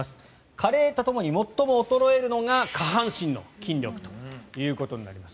加齢とともに最も衰えるのが下半身の筋力ということになります。